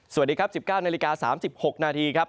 สวัสดีครับ๑๙นาฬิกา๓๖นาทีครับ